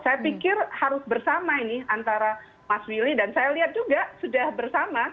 saya pikir harus bersama ini antara mas willy dan saya lihat juga sudah bersama